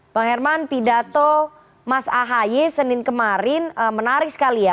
bang herman pidato mas ahaye senin kemarin menarik sekali ya